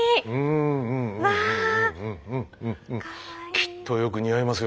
きっとよく似合いますよ。